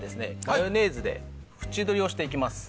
マヨネーズで縁取りをしていきます。